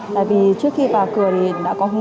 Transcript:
đại vị trước khi vào cửa thì đã có hội